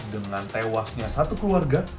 dengan tewasnya satu keluarga